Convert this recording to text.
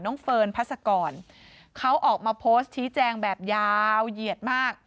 เฟิร์นพัศกรเขาออกมาโพสต์ชี้แจงแบบยาวเหยียดมาก